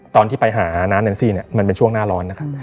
ตอนที่ไปหาน้านแนนซี่มันเป็นช่วงหน้าร้อนนะคะ